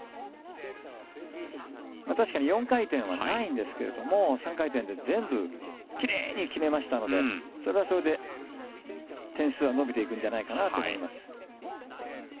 確かに４回転はないんですけど３回転で全部奇麗に決めましたのでそれはそれで点数は伸びていくんじゃないかなと思います。